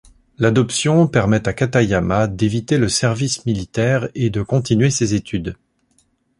L'adoption permet à Katayama d'éviter le service militaire et de continuer ses études.